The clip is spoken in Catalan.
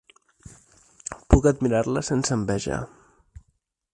Puc admirar-la sense enveja.